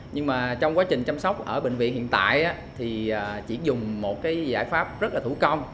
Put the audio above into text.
nhưng mà trong quá trình chăm sóc ở bệnh viện hiện tại thì chỉ dùng một cái giải pháp rất là thủ công